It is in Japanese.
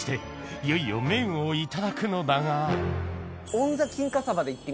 いよいよ麺をいただくのだがいい犬磴。